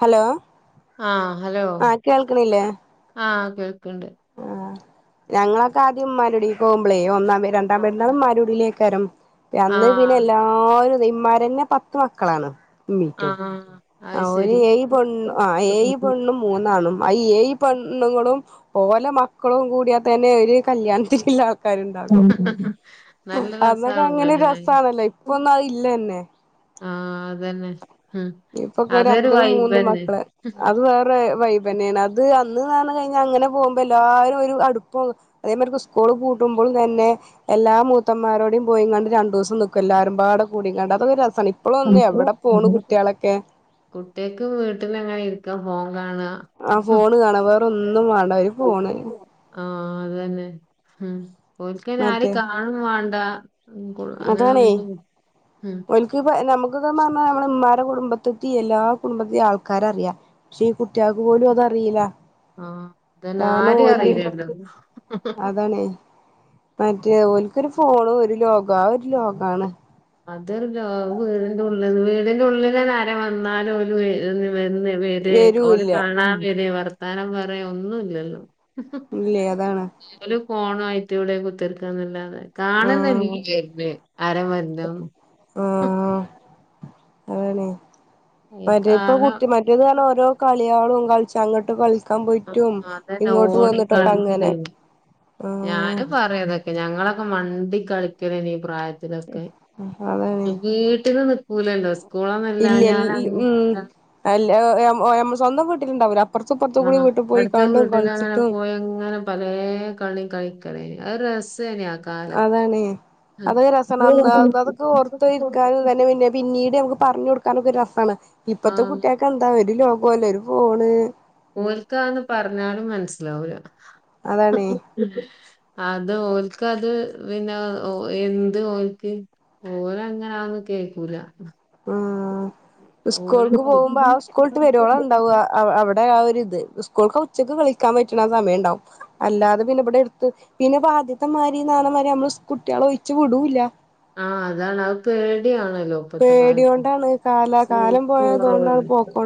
Hello ആ hello ആഹ് കേൾക്കണില്ലേ? ആ കേൾക്ക്ണ്ട് ആഹ് ഞങ്ങളൊക്കെ ആദ്യ ഉ്മാരി എടിക്ക് പോവുമ്പോളേ ഒന്ന രണ്ടാംപെരുന്നാള് മ്മാന്റെകുടിലയിക്കാരം ആ അന്ന് പിന്നെ എല്ലാരും തേ മ്മാരെന്നെ പത്ത് മക്കളാണ് ആ ഉമ്മീറ്റും ആഹ് ആ ഓര് ഏയ് പെണ്ണു ആ ഏയ് പെണ്ണും മൂന്നാ ന്നാണും അയീ എഴ് പെണ്ണുങ്ങളും ഓലെ മക്കളും കൂടിയാ തന്നെ ഒരു കല്യാണത്തിന്ള്ള ആൽ ഉം അന്നൊക്കെ അങ്ങനൊരു രസാണല്ലോ ഇപ്പൊന്നും അത് ഇല്ലന്നെ ആ അതന്നെ ഉം ഇപ്പൊക്കെ അതൊരു രണ്ടും മൂന്നും വൈബന്നെ മക്കള് അത് വേറെ വൈ ബന്നേണ് അത് അന്ന് ന്നർഞ്ഞ്കഴിഞ്ഞാ അങ്ങനെ പോകുമ്പോ എല്ലാരും ഒരു അടുപ്പോം അതേമാതിരിക്ക് സ്കൂൾ പൂട്ടു മ്പളുംതന്നെ എല്ലാ മൂത്തമ്മാരോടിം പോയിങ്ങാ രണ്ടൂസം നിക്കും എല്ലാരും പാടെ കൂടിക്കാണ്ട് അതൊക്കെ രസ സാണ് ഇപ്പോളൊന്നും എവിടെ പോണ് കുട്ട്യാളൊക്കെ കുട്ട്യേക്ക് വീട്ടിലങ്ങനെ ഇരിക്കാ ഫോൺ കാണാ ആഹ് ഫോണ് കാണാ വേറെ ഒന്നും വാണ്ട ഒര് ഫോണ് ആഹ് അതന്നെ ഉം ഓൽക്കയ്ന് ആരേം കാണും വേണ്ടാ അതാണേയ് ഉം ഓൽക്ക് പ നമ്മക്കൊക്കെ പറഞ്ഞ നമ്മള ഉമ്മാ ടെ കുടുംബത്തിത്തി എല്ലാ കുടുംബത്തെ ആൾക്കാരെ അറിയാ പക്ഷേ ഈ കുട്ട്യാൾക്ക് പോലും അതറിയില്ല ആഹ് അതന്നെ കാരണം ആരിം ഓല് അറിയില്ലല്ലോ അതാണേ മറ്റേ ഓല്ക്ക് ഒരു ഫോണും ഒരു ലോക ആ ഒരു ലോകാണ് അതല്ലോ വീടിന്റെ ഉള്ളിൽ വീടിന്റെ ഉള്ളിലെന്നെ ആരേലും വന്നാലും ഒരു എ ഒന്ന് വരെ ഓരെ വരൂല്ല കാണാൻ വരെ വർത്താനം പറെ ഒന്നുല്ലല്ലോ ഇല്ലേ അതാണ് ഓല് ഫോണായിട്ട് ഇവിടെ കുത്തിരിക്കാന്നല്ലാതെ ആഹ് കാണന്നില്ല വര്ന് ആരവരനൊ ആഹ് അതാണെ ഈ മറ്റേ ഇപ്പൊ കാലം കുട്ടി മറ്റേത് ന്ന് പറഞ്ഞ ഓരോ കളികളും കളിച്ച് അങ്ങട്ട് കളി ക്കാൻ ആ, പോയ്റ്റും അതന്നെ ഇങ്ങോട്ട് ഓടി വന്നിട്ടൊക്കെ കളിക്കല് അങ്ങനെ ആഹ് ഞാനും പറയതൊക്കെ ഞങ്ങളൊക്കെ മണ്ടി കളിക്കുവേന് ഈ പ്രായ ത്തിലൊക്കെ അതാണ് വീട്ടില് നിക്കൂലല്ലോ ഇല്ല സ്കൂളൊന്നില്ലാഞ്ഞാലങ്ങു ഉം അല്ല അ ഞമ്മ ഞമ്മള് സ്വന്തം വീട്ടിലുണ്ടാവൂല്ല ആഹ് അടുത്ത വീട്ടിലങ്ങനെ പോയങ്ങനെ പലേ കളി കളിക്കലേ നി അഅ് രസേനി ആ കാലം അതൊക്കെ രസാണ് അന്ന് അതൊക്കെ ഓർത്ത് ഇരിക്കാനും തന്നെ പിന്ന പിന്നീട് നമുക്ക് പറഞ്ഞു കൊടുക്ക ക്കാനൊക്കെ രസാണ് ഇപ്പത്തെ ആഹ് കുട്ടികൾക്ക് എന്താ ഒരു ലോകോല്ല ഒരു ഫോണ്. ഓൽക്കാന്ന് പറഞ്ഞാലും മനസിലാവൂല അതാണേ അത് ഓൽക്ക് അത് പിന്നെ ഓ എന്ത് ഓൽക്ക് ഓലങ്ങനെ അവൊന്നും കേക്കൂല ആഹ് ഓല് സ്കൂൾക്ക് പോവുമ്പോ ആ സ്കൂള്ട്ട് വരോളം ഇണ്ടാവു ആ അ അവിടെ ആ ഒരു ഇ ത് സ്കൂള്ക്ക് ഉച്ചക്ക് കളിക്കാൻ പറ്റണ സമയ ഇണ്ടാവും. അല്ലാതെ പിന്നെ ഇബടെ എ ടുത്ത് പിന്നെ ആദ്യത്തെ മാരിന്ന് പറഞ്ഞമാരി നമ്മള് കുട്ടിളെ ഒഴിച്ച് വിടൂല്ല ആഹ് അതാണ് അഅ് പേടി ആണ്. പേട്യോണ്ടാണ് കാല കാലം സേഫ്റ്റി പോയതോണ്ടാണ് കുറവാണ് പോക്കോ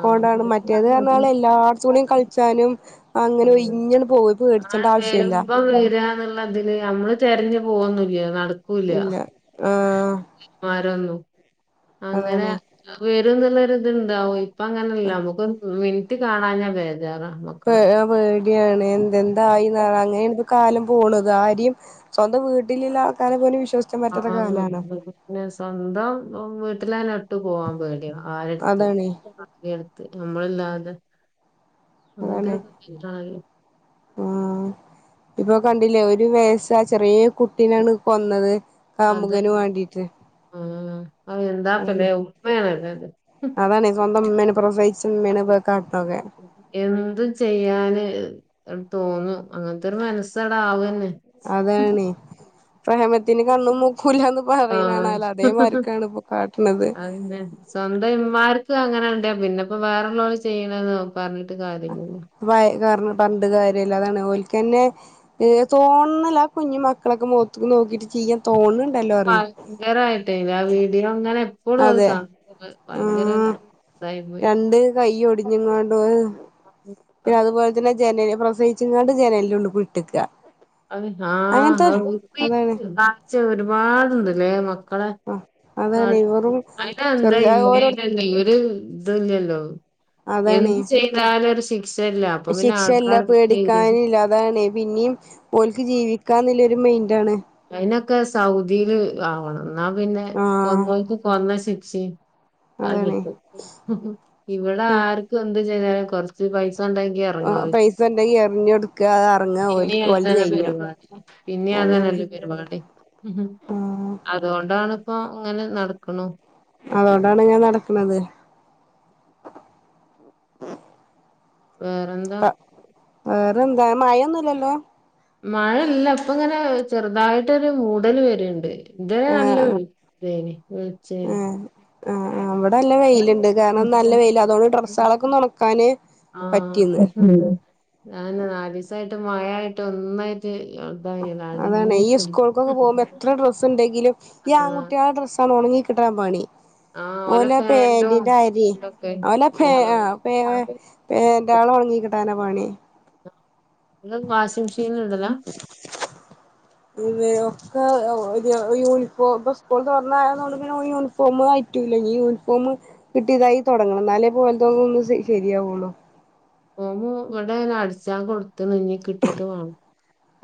ആഹ് അതെ മറ്റേത് ന്നറഞ്ഞ പോലെ എല്ലായിടത്തുടെയും കളിച്ചാനും അങ്ങനെ ആഹ് ഒഴിഞ്ഞണ്പോവും പേടിച്ചണ്ട ആവശ്യല്ല എവിടാന്നള്ളതില് ഞമ്മള് തെരഞ്ഞു പോവൊന്നില്ല നട ക്കൂല ഇല്ല ആഹ് ആരൊന്നും. അങ്ങനെ അതാണ് വരുംന്ന്ള്ള ഒരു ത്ണ്ടാവും ഇപ്പ അങ്ങനെല്ല മ്മുക്ക് ഒരു മി നിറ്റ് കാണാഞ്ഞ ബേജാറാ മക്കളെ യാണ് എന്ത എന്ത ആയിന്നറ അങ്ങനെയാണ് കാലം പോണത് ആരീം സ്വന്തം വീട്ടില്ള്ള ആൾക്കാരെ പോലും വി ആ പിന്നെ സ്വന്തം വീട്ടിലന്നെ ഇട്ട് പോവാൻ പേടിയ ആരടുത്ത് അതാണ് യടുത്ത് നമ്മളില്ലാതെ അതാണ് അങ്ങത്തൊരു ഇതായി ആ ഇപ്പൊ കണ്ടില്ലേ ഒരു വയസ്സാ ചെറിയ കുട്ടീനാണ് കൊന്നത്. കാമുകന് വാണ്ടീട്ട് അവ എന്താ അതാണ് പ്പലെ ഉപ്പയാണ് ല്ലത് അതാണ് സ്വന്തം ഉമ്മേനെ പ്രസവിച്ച ഉമ്മേനെ കാട്ടണൊക്കെ എന്തും ചെയ്യാന് തോന്നും അങ്ങനത്തൊരു മനസ്സട് ആവന്നെ അതാന്നെ പ്രേമത്തിന് കണ്ണും മൂക്കൂല്ലാന്ന് പറയണ് ണാല്ലോ അതേമാർക്കാണ് ഇപ്പ ക്കെ അയന്നെ സ്വന്തം ഇമ്മാർക്ക് അങ്ങനെ ഇണ്ടേ പിന്നെപ്പോ വേറള്ളോര് ചെയ്യണത് നോക്ക പറഞ്ഞിട്ട് കാര്യല്ലല്ലോ പറഞ്ട്ട് കാര്യല്ല അതാണ് ഓലക്കന്നെ എ തോന്നല്ല ആ കുഞ്ഞി മക്കളൊക്കെ മൊഖത്ത് നോക്കീട്ട് ചി [unintelligible] തോന്നുന്നുണ്ട് ഭയങ്കരമായിട്ടല്ല ആ വീഡിയോ ഇങ്ങനെ എപ്പോഴും അത് അതെ കാണ ആഹ് ഭയങ്കരല്ല രണ്ട് കൈയും ഒടിഞ്ഞങ്ങാണ്ട് പിന്നെ അതുപോലെ തന്നെ ജനല് പ്രസവിച്ചാണ്ട് ജനല് ഉള്ളു കൂടെ ഇട്ട്ക്ക അത് ആ അതാണ് [unintelligible] ഒരുപാട് ഉണ്ടല്ലേ ആഹ് അതാണ് വെറും ചെറു [unintelligible] ഓരോട് അതല്ലല്ലോ എന്ത് ചെയ്താലോരു ശി ശിക്ഷയല്ല പേടിക്കാനില്ലാതാണ് പിന്നീം പോൽക്ക് ജീവിക്കാനുള്ളരു മെെയിന്റ്ണ് അയിനൊക്കെ സൗദിയില് ആവണം എന്നാ പിന്നെ ആഹ് കൊന്നോൽക്ക് കൊന്ന ശിക്ഷ ആ അതാണ് കിട്ടും ഇവിടെ ആർക്കും എന്ത് ചെയ്യ്താലും കൊറച്ച് പൈ സ ഒണ്ടങ്ങി [unintelligible] ഇറങ്ങാവ പൈസ ഉണ്ടെങ്കി എറിഞ്ഞൊടുക്ക അറങ്ങ ഓൽക്ക് ഓൽത് കഴിഞ്ഞു [unintelligible] അതെ അതാണ് നല്ല പരിപാടി ആഹ് അതുകൊണ്ടണിപ്പൊ അങ്ങനെ നടക്കണു അതുകൊണ്ടാണ് ഞാൻ നടക്കണത് വേറെന്താ ന്താ മഴൊന്നും ഇല്ലല്ലോ മഴല്ല അപ്പ ഇങ്ങനെ ചെറുതായിട്ടൊരു മൂടല് വെരിണ്ട് ഇത് ആഹ് നല്ല വെളിച്ചെയ്നി [unintelligible] ആ അവിടെല്ല വെയിലുണ്ട് കാരണം നല്ല വെയില് അതുകൊണ്ട് ഡ്രസ്റ്റാളക്കെ ഒന്ന് ഒണക്കാന് ആ പറ്റിന്ന് [unintelligible] ഞാന് നാലീസായിട്ട് മഴായിട്ട് ഒന്നായിട്ട് ഇതായില്ല അനങ്ങി അതാണ് ഈ സ്കൂൾക്കൊക്കെ പോകുമ്പോ എത്ര ഡ്രസ്സ് ഉണ്ടെങ്കിലും ഈ ആഹ് ആൺകുട്ടിളെ ഡ്രസ്സണ് ഉണങ്ങി കിട്ടാ പണി ആഹ് ഓലെ ഓല ഫാനിലും പാന്റിന്റെ അര ഇതൊക്കെ ഓല ഇങ്ങള് പാന്റ് പാന്റാള് ഉണങ്ങി കിട്ടാൻ അവല പേ ആ പേ [unintelligible] ധാനവാണി വാഷിംങ്ങ് മിഷനി ഇടല്ല ഒരു യൂണിഫോം ഇപ്പോൾ സ്കൂൾ തുറന്നായതോണ്ട് യൂണിഫോം [unintelligible] ഈ യൂണിഫോമ് കിട്ടിയതായി തുടങ്ങണം എന്നാലേ പോലതോ ഒന്ന് ശരിയാവുള്ളൂ ഫോമ്മ് ഇവിടെ അടിച്ചാ കൊടുത്ത് ഇനി കിട്ടീട്ട് വേണം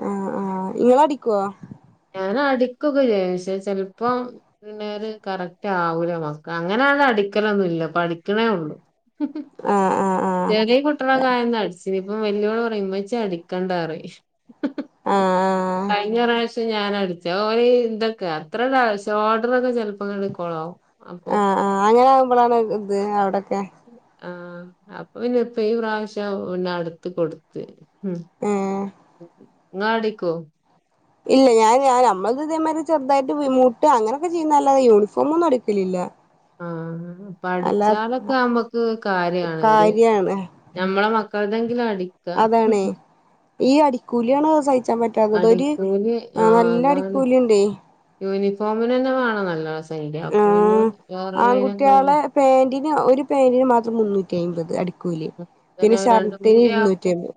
ആ ആ ഇങ്ങള് അടിക്കൊ - ഞാന അടിക്കൊക്കെ ചെയും ചെലപ്പോ കറക്റ്റ് ആവൂല മക്ക അങ്ങനെ ങ്ങനെ അടിക്കലൊന്നുല്ല പഠിക്കണേ ഒള്ളൂ ആഹ് ആഹ് ആഹ് ചെറിയ കുട്ടികളായാന്നൊക്കെ അടിച്ച് നി ഇപ്പം വെല്ലിയോള് ഉമ്മച്ചി അടിക്കണ്ടാറി ആഹ് കഴിഞ്ഞ പ്രാശ് പക്ഷെ ഞാനാ അടിച്ചെ ഓ ഇന്തൊക്കെ അത്ര [unintelligible] ഷോൾഡർ ചെല ഇപ്പ [unintelligible] അപ്പോ നമ്മളാണ് ഇത് അവിടൊക്കെ ആ അപ്പൊ ഇനി ഒത്തിര പ്രാവശ്യം പിന്നെ അടുത്ത് കൊടുത്ത് മ് ഏഹ് ഇങ്ങൾ അടിക്കു ഇല്ല ഞാൻ ഞൻ നമ്മ ഇതേമാതിരി ചെറുതായിട്ട് മുട്ട് അങ്ങനെയൊക്കെ ചെയ്യുന്നല്ലാെ യൂണിഫോമൊന്നും അടിക്കലില്ല ആ അല്ലാ പഠിച്ചാലക്കെ നമ്ക്ക് കാര്യാണ് ഒരു കാര്യാണ് നമ്മളെ മ മക്കളെതെങ്കിലും അടിക്ക അതാണേ ഈ അടിക്കൂലിയാണ് സഹിച്ചാൻ പറ്റാത്തത് ഇതൊരു അടിക്കൂലി നല്ല അടിക്കൂലിണ്ടേ യൂണിഫോമിന് തന്നെ വേണം നല്ല സഖ്യ അപ്പൊ പിന്നെ ആഹ് വേറെഉള്ളയ് നോക്കെ ആൺകുട്ടികളെ പാന്റിന് മാത്രംഒരു പെയിന്റിന് മാത്രം മുന്നൂറ്റി അമ്പത് അടി കൂലി തന്നെ പിന്നെ രണ്ടും ഷർട്ടിന് കൂടി ആവുമ്പോ ഇരുന്നൂറ്റിമ്പത്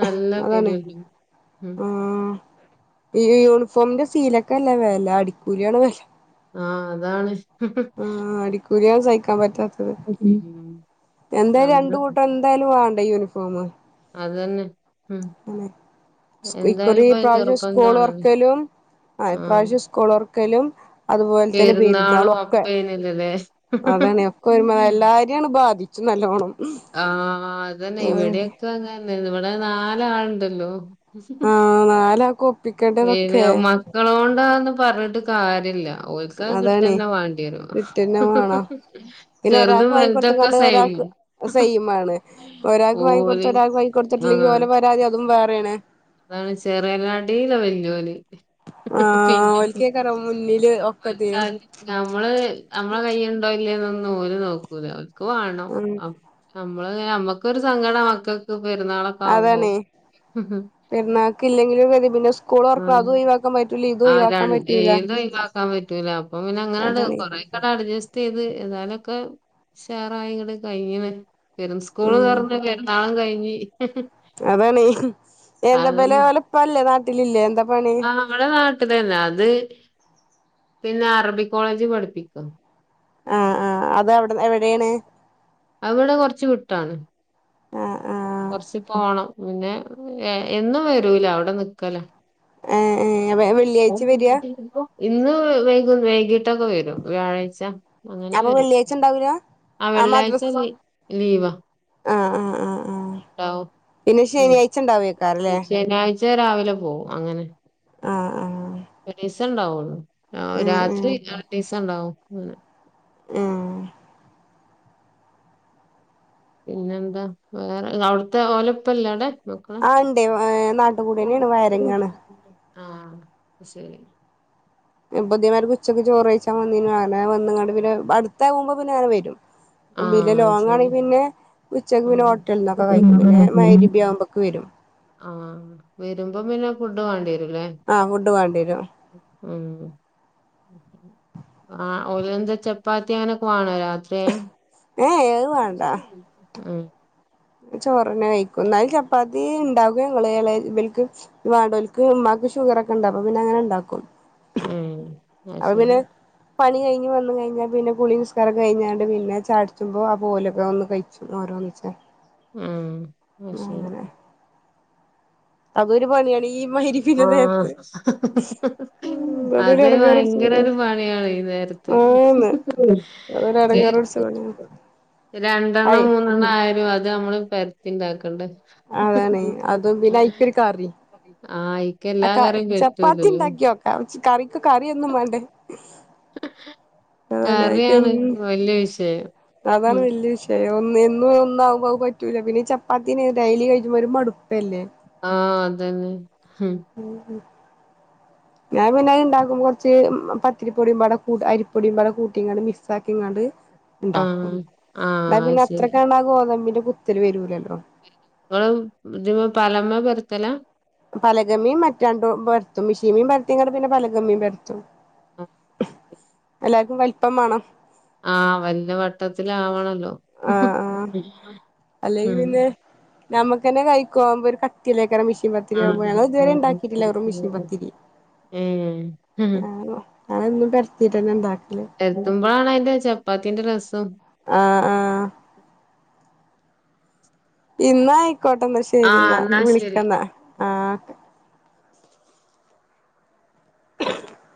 നല്ല അതാണ് വെരുല്ലോ ഉം ആ ഈ യൂണിഫോമിന്റെ സീലൊക്കെ അല്ല വെല അടിക്കൂലിയാണ് വെല ആ അതാണ് സൂര്യൻ സഹിക്കാൻ പറ്റാ മ്മ് എന്തായാലും രണ്ട് കൂട്ടം എന്തായാലും വാണ്ടേ യൂണിഫോമ് അതന്നെ ഉം പിന്നെ എന്തായാലും ഇക്കുറി ഇപ്പ അത് പ്രാവശ്യം സ്കൂള് തൊർ നിർബന്ധാണല്ലോ ക്കലും ആ ആഹ് പ്രാവശ്യ സ്കൂള് ഒ ർക്കലും അതുപോലെ തന്നെ പെരുന്നാളും പെരുന്നാളൊക്കെ ഒപ്പേനല്ലല്ലേ അതാണ് ഒക്കെ ഒരുമ എല്ലാരെയാണ് ബാധിക്കും നല്ലോണം ആഹ അതന്നെ അതാണ് ഇവിടെക്കെ അങ്ങനന്നെ നിവിടെ നാലാളുണ്ടല്ലോ ആഹ നാല പി മക്കളോണ്ടാന്ന് പറഞ്ഞിട്ട് കാര്യല്ല ഓൽക്കാർ അതാണ് കിട്ടന്നെ വേണ്ടിരു കിട്ടന്നെ വേണം ചെറുതും വലുതൊക്കെ സൈ സെ്യമാണ് അപ്പൊ ഒരാൾക്ക് വാങ്ങിക്കൊടുത്ത ഓല് ഒരാൾക്ക് വാങ്ങിക്കൊടുത്തിട്ടില്ലെങ്കിൽ ആഹ് ഓലെ പരാതി അതും വേറെയാണ്. അതാണ് ചെറിയല്ലാടല്ല വല ലി ആഹ ഓലക്കക്കറ മുന്നില് ക ഒക്കത്തിനും നമ്മള് നമ്മള കൈണ്ടോ ഇല്ലേൊന്നും ഓര് നോക്കൂല അവ വേണോ ഉം നമ്മള് നമ്മക്കരു സങ്കടം മക്കക്ക് അതാണേ പിെരണാക്ക് ഇല്ലെങ്കിലും ക പിന്നെ സ്കൂൾ വറക്കണം ഉം അത് ഒഴിവാക്കാൻ പറ്റ ആ ര ഏത്ും ഒവാക്കാൻ പറ്റൂല അപ്പൊ പിന്നെ അങ്ങനെ അതാണേ കൊറെ കട അഡ്ജസ്റ്റ് ചെയ്ത് എന്നതാലൊക്കെ ഷാറായങ്ങട്ട കഴിഞ്ഞെ വെരും സ്കൂൾന്ന് പറഞ്ഞ എാളും കഴ അതാണ് എന്താ വില അതൊന്നും വലപ്പല്ലേ നാട്ടിലില്ലേ എന്താ പണി ആ നമ്മടെ നാട്ടില തന്നെ അത് പിന്നെ അറബി കോളേജ് പഠിപ്പിക്കാം ആഹ ആഹ അത് എവിടെ എവിടെയാണ് അവിടെ കൊറച്ച് കിട്ടാണ് ഉം ഉം കൊറച്ച് പോണം. പിന്നെ എന്നും വരൂല അവിടെ നിക്കലാ. ഏഹ് ഏഹ് അപ്പൊ വെള്ളിയാഴ്ച വരിക ഇന്ന് വൈ വൈകിട്ട് ഇട്ടൊക്കെ വരും വ്യാഴാഴ്ച. അങ്ങനെ അപ്പൊ വരും വെള്ളിയാഴ്ച ഉണ്ടാവൂല ആ ആഹ് വെള്ളിയാഴ്ച ലീവാ ആ ആ ആ ആ ഉണ്ടാവും പിന്നെ ശനി അഴ്ച്ച ഉണ്ടാവക്കാറല്ലേ പച്ചേ രാവിലെ പോകും അങ്ങനെ ആഹ് ആഹ് പൈസ ഉണ്ടാവുള്ളു ആഹ ഉം രാത്രി ഉം അ ദിവസ ഉണ്ടാവും ഉം പിന്നെന്താ വേറെ അവിടുത്തെ ഓലപ്പല്ല അവിടെ. മക്കളെ ആ ഉണ്ടേ ഏ നാട്ടുകൂടി തന്നെയാണ് വയറിങ്ങാണ് ആഹ ശരി എപ്പതിമാര് കൊച്ചൊക്കെ ചോറ്ഴിച്ചാ വന്നീ അങ്ങനെ വന്നങ്ങണ്ട് പിന്നെ അടുത്ത ആകുമ്പോ പിന്നെ അങ്ങെ വരും വില് ആഹ് ശരി ലോങ്ങാണെങ്ക പിന്നെ ഉച്ചക്ക് പിന്നെ ഉം ഹോട്ടല നിന്നൊക്കെ കഴിക്കും പിന്നെ മൈരിബി ആവുമ്പോക്കെ വരും ആഹ വരുമ്പോം പിന്നെ ഫുഡ് വേണ്ടിര ആഹ ഫുഡ് വേണ്ടിരും ഉ ആ ഉലന്ത ചപ്പാത്തി അങ്ങനൊക്കെ വണോ രാത്രി ഏ ഏത് വേണ്ടാ ആഹ ചോറ്നെ കഴിക്കും എന്നാലും ചപ്പാത്തി ഉണ്ടാകും ഞങ്ങള്ൾ ഇളൽക്ക് വടോൽക്ക് ഷുഗർ ഒക്കെ ഉണ്ട് പിന്നെ അങ്ങനെ ഉണ്ടാക്കും ഉം അ അപ്പൊ പിന്നെ ശരിരി പണി കഴിഞ്ന്നു കഴിഞ്ഞാ പിന്നെ കുളി നിസ്കാരം കഴിഞ്ഞാണ്ട് പിന്നെ ചാടിച്ചുമ്പോ ആ പോലൊക്കെ ഒന്ന് കഴിച്ചു ഓ ച്ച ആഹ ആ ശരി അതൊരു പണിയാണ് ഈ മരിപ്പിന് ആഹ് പോക്ക് ഉ അതൊരു അത് എടങ്ങേറടിച്ച് ഭയങ്കര ഒരു പണിയാണ് ഈ നേരത്ത് ആന്ന് അതൊരു അടങ്കറട [unintelligible] [unintelligible] രണ്ടെണ്ണം മൂന്നെണ്ണം ആയിരും അത് നമ്മള് പരുത്തി ഉണ്ടാക്കണ്ടേ അതാണ് അതും പിന്നെ അഐക്കൊ ഒരു കറി ആഹ് അയിക്ക് എല്ലാ അക്ക കറിയും ചപ്പാത്തി പറ്റൂലല്ലോ ഉണ്ടാക്കിയോക്ക കറിക്കോ കറിയൊന്നും വേണ്ടേ അതക്ക് കറിയാണ് [unintelligible] വല്യ വിഷയം അതാണ് ഉം വല്യ വിഷയം ഒന്ന എന്നും ഒന്നാവുമ്പ പറ്റൂില്ല പിന്നെ ഈ ചപ്പാത്തിനെ ഡെലി കഴിുമ്പോ ഒരു മടുപ്പല്ലേ ആഹ അതന്നെ ഉം ഉം ഞാൻ പിന്നെ അത്ണ്ടാക്കുമ്പോ കൊർച്ച് പത്തിരിപ്പൊടിയും പാടെ കൂ അരിപ്പൊടിയും പാടെ കൂട്ടിങ്ങാണ്ട് മിക്സ്സാക്കിങ്ങാണ്ട് ഉണ്ടാക്കും ആഹ് ആഹ് ന്നാ പിന്നെ അത് ശരി അത്രക്കാണ്ടാ ഗോതമ്പിന്റെ പുത്തല് വരൂലല്ലോ [unintelligible] ദിമ്മ പലമ്മ പര്ത്തല പലകമ്മിം മറ്റ രണ്ടും പര്ത്തും മിഷീമിം പരത്തിങ്ങാണ്ട് പിന്നെ പലഗമ്മിം പര്ത്തും ആഹ് എല്ലാർക്കും വൽപ്പം മാണം ആഹ് വല്ല വട്ടത്തിലാവണല്ലോ ആഹ് ആഹ് ഉം നമ്മക്ക ന്നെ കഴി ക്കാവുമ്പോ ഒരു കട്ടിയല്ലെക്കാര മിഷീ ൻ പത്തിരിയാവുമ്പൊ. ആഹ് ഞങ്ങൾ ഇതുവരെ ഉണ്ടാക്കിട്ടില്ല റും മെഷീൻ പത്തിരി ഏഹ് ആ ഞാനെന്നും പെരത്തീട്ടന്നെ ഉണ്ടാക്കല് പ്പാത്തിൻ്റെ റസ് ആഹ് ആഹ് ഇന്നാ ആയിക്കോട്ടെന്നാ ആഹ് ശരിന്നാ എന്നാ ശരി വിളിക്കന്നാ ആഹ് ശ [unintelligible]